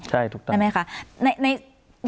ใช่ถูกต้อง